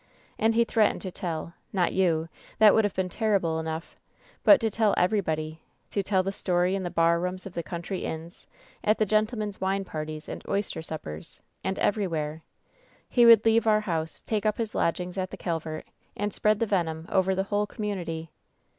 And he threatened to tell — ^not you — ^that would have been terrible enough — ^but to tell everybody !— ^to tell the story in the barrooms of the country inns, at the gentlemen's wine parties and oyster suppers — and every where 1 He would leave our house, take up his lodgings at the Calvert, and spread the venom over the whole community.